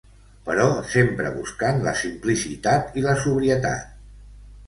Però sempre buscant la simplicitat i la sobrietat.